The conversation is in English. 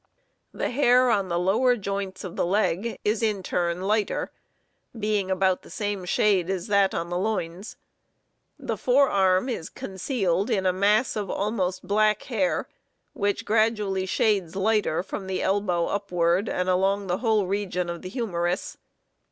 The hair on the lower joints of the leg is in turn lighter, being about the same shade as that on the loins. The fore arm is concealed in a mass of almost black hair, which gradually shades lighter from the elbow upward and along the whole region of the humerus.